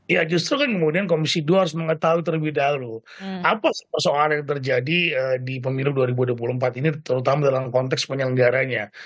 ya justru kan kemudian komisi dua harus mengetahui terlebih dahulu apa persoalan yang terjadi di pemilu dua ribu dua puluh empat ini terutama dalam konteks penyelenggaranya